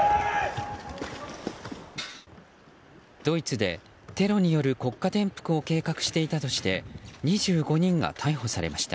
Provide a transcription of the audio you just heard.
ドイツでテロによる国家転覆を計画していたとして２５人が逮捕されました。